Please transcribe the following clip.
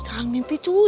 jangan mimpi cuy